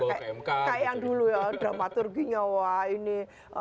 kayak yang dulu ya dramaturginya wah ini